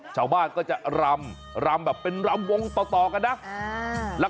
ชาวบ้านก็จะรำรำแบบเป็นรำวงต่อกันนะ